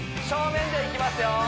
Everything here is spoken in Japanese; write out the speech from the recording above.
正面でいきますよ